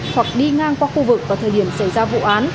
hoặc đi ngang qua khu vực vào thời điểm xảy ra vụ án